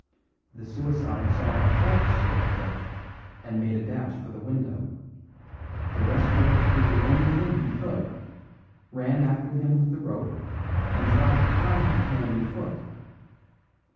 The suicide saw a fourth shape of death, and made a dash for the window. The rescuer did the only thing he could ran after him with the rope and tried to tie him hand and foot.